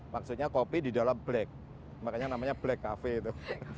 maksudnya kopi di dalam black makanya namanya black cafe itu